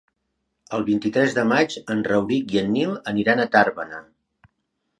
El vint-i-tres de maig en Rauric i en Nil iran a Tàrbena.